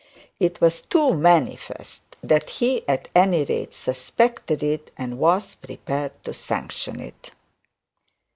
It was too manifest that he at any rate suspected it, and was prepared to sanction it.